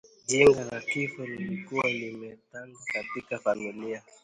Janga la kifo lilikuwa limetanda katika familia